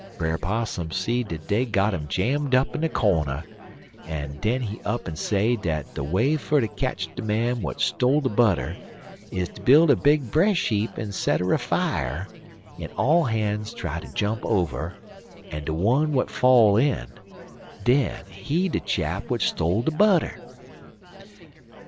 Brer Possum see dat dey got 'im jammed up in a cornder, en den he up en say dat de way fer ter ketch de man w'at stole de butter is ter b'il' a big bresh heap en set her afier, en all han's try ter jump over, en de one w'at fall in, den he de chap w'at stole de butter.